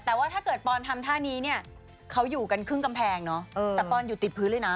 แต่ว่าถ้าเกิดปอนทำท่านี้เนี้ยเขาอยู่กันครึ่งกำแพงเนาะ